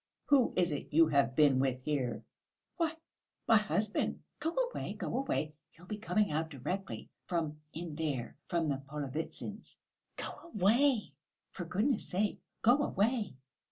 "Who is it you have been with here?" "Why, my husband. Go away, go away; he'll be coming out directly ... from ... in there ... from the Polovitsyns'. Go away; for goodness' sake, go away."